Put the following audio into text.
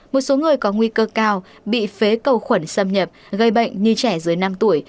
một số người có nguy cơ cao bị phế cầu khuẩn xâm nhập gây bệnh như trẻ dưới năm tuổi